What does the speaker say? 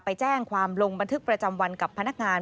ไปแจ้งความลงบันทึกประจำวันกับพนักงาน